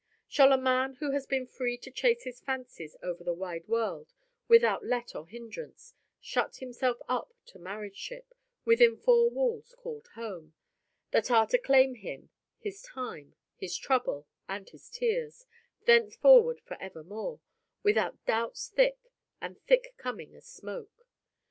Shall a man who has been free to chase his fancies over the wide world, without let or hindrance, shut himself up to marriage ship, within four walls called home, that are to claim him, his time, his trouble, and his tears, thenceforward forevermore, without doubts thick, and thick coming as smoke?